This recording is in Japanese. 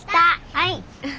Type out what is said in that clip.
はい。